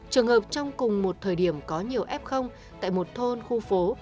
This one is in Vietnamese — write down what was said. trường hợp trong cùng một thời điểm có nhiều f tại một thôn khu phố